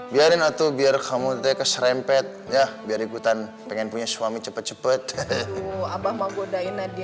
biarin atau biar kamu tekes rempet ya biar ikutan pengen punya suami cepet cepet abah mau godain nadia